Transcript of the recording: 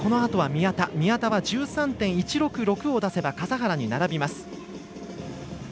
宮田は１３．１６６を出せば笠原に並びます。